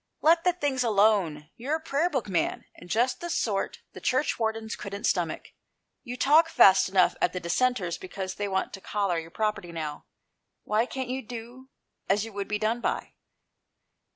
Let the things alone. You're a Prayer Book man, and just the sort the Church wardens couldn't stomach. You talk fast 161 GHOST TALES. enough at the Dissenters because they want to collar your property now. Why can't you do as you would be done by?